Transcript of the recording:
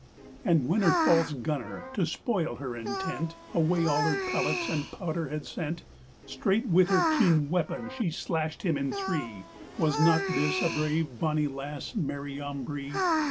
And when her false gunner, to spoyle her intent, Away all her pellets and powder had sent, Straight with her keen weapon she slasht him in three: Was not this a brave bonny lasse, Mary Ambree?